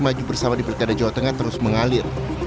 maju bersama di pilkada jawa tengah terus mengalir